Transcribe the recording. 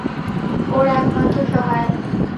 ওর একমাত্র সহায়।